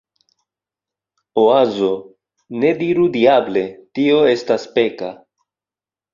Oazo: "Ne diru "Diable!", tio estas peka!"